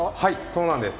そうなんです。